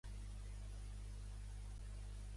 També poden ser massius, granular fins o radiants.